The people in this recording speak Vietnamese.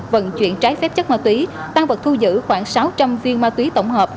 vận chuyển trái phép chất ma túy tăng vật thu giữ khoảng sáu trăm linh viên ma túy tổng hợp